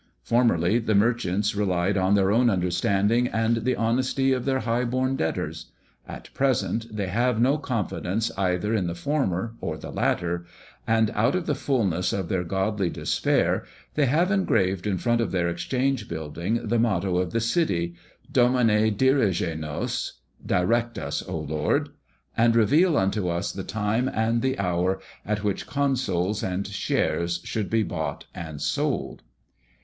Formerly the merchants relied on their own understanding and the honesty of their high born debtors; at present they have no confidence either in the former or the latter: and out of the fulness of their godly despair, they have engraved in front of their Exchange building the motto of the city Domine dirige nos Direct us, O Lord, and reveal unto us the time and the hour at which consols and shares should be bought and sold!